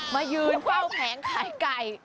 มายืนเฝ้าแผงขายไก่